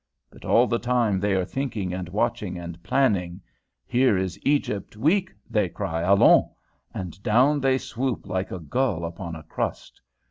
But all the time they are thinking and watching and planning. 'Here is Egypt weak,' they cry. 'Allons!' and down they swoop like a gull upon a crust.